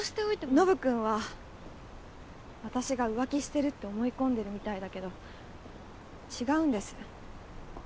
ノブ君は私が浮気してるって思い込んでるみたいだけど違うんです。